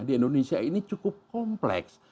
di indonesia ini cukup kompleks